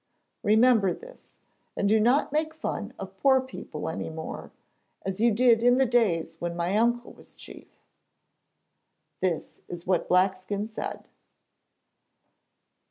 Remember this, and do not make fun of poor people any more, as you did in the days when my uncle was chief.' This is what Blackskin said.